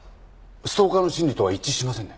ストーカーの心理とは一致しませんね。